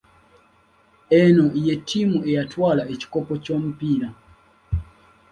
Eno ye ttiimu eyatwala ekikopo ky'omupiira.